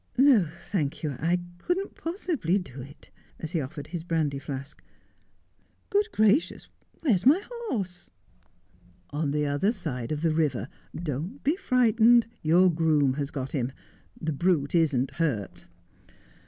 ' No, thank you ; I couldn't possibly do it,' as he offered his brandy flask. ' Good gracious ! Where's my horse V ' On the other side of the river. Don't be frightened — your groom has got him. The brute isn't hurt.'